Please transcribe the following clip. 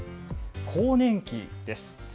更年期です。